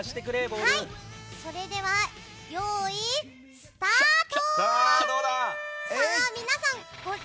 それでは、よーい、スタート！